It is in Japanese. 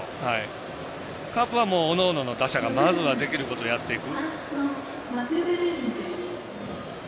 カープはもう、おのおのまずはできることをやっていく。